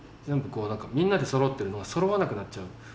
全部こうなんかみんなでそろってるのがそろわなくなっちゃう。